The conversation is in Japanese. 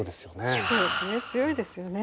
そうですね強いですよね。